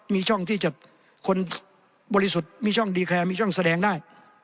มีช่องที่จะคนบริสุทธิ์มีช่องดีแคร์มีช่องแสดงได้